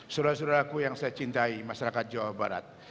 surat surat aku yang saya cintai masyarakat jawa barat